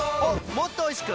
もっとおいしく！